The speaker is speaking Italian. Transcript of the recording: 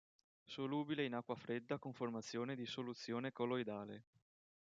Solubile in acqua fredda con formazione di soluzione colloidale.